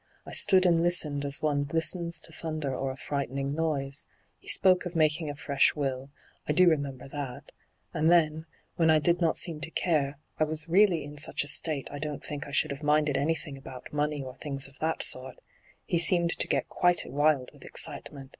I stood and listened as one listens to thunder or a frightening noise. He spoke of making a fresh will — I do remember that — and then, when I did not seem to care — I was really in such a state I don't think I should have minded anything about money or things of that sort — he seemed to get quite wild with excitement.